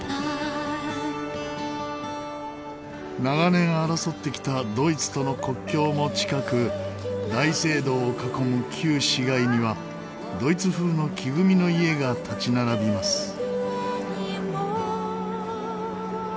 長年争ってきたドイツとの国境も近く大聖堂を囲む旧市街にはドイツ風の木組みの家が立ち並びます。